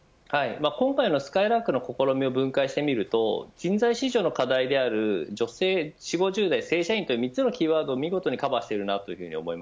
すかいらーくの試みを分解してみると人材市場の課題である女性、４０５０代、正社員という３つのキーワードを見事にカバーしてます。